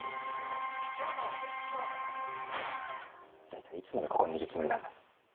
大体いつまでここにいるつもりなんだ。